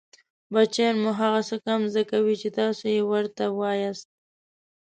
بچیان مو هغه څه کم زده کوي چې تاسې يې ورته وایاست